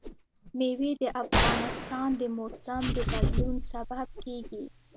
مېوې د افغانستان د موسم د بدلون سبب کېږي.